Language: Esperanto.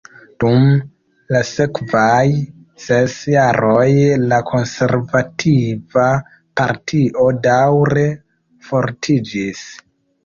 Dum la sekvaj ses jaroj, la Konservativa Partio daŭre fortiĝis.